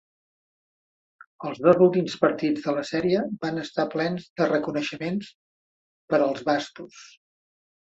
Els dos últims partits de la sèrie van estar plens de reconeixements per als Bastos.